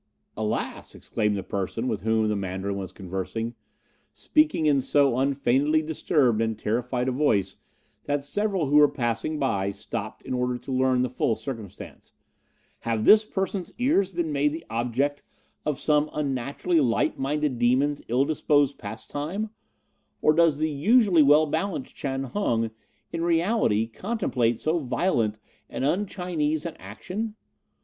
"'Alas!' exclaimed the person with whom the Mandarin was conversing, speaking in so unfeignedly disturbed and terrified a voice that several who were passing by stopped in order to learn the full circumstance, 'have this person's ears been made the object of some unnaturally light minded demon's ill disposed pastime, or does the usually well balanced Chan Hung in reality contemplate so violent and un Chinese an action?